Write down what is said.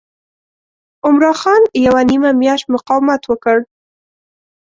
عمرا خان یوه نیمه میاشت مقاومت وکړ.